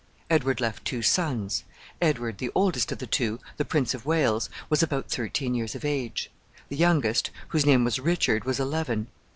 Edward left two sons. Edward, the oldest of the two, the Prince of Wales, was about thirteen years of age. The youngest, whose name was Richard, was eleven.